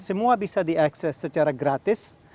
semua bisa diakses secara gratis